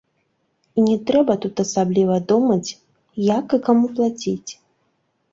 І не трэба тут асабліва думаць, як і каму плаціць.